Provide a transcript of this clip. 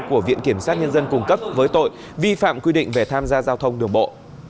của viện kiểm sát nhân dân cung cấp với tội vi phạm quy định về tham gia giao thông đường bộ